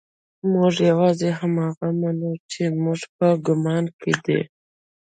موږ يوازې هماغه منو چې زموږ په ګمان کې دي.